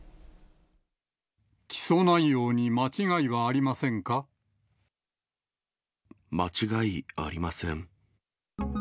起訴内容に間違いはありませ間違いありません。